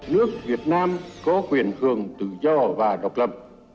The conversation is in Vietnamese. nước việt nam có quyền hưởng tự do và độc lập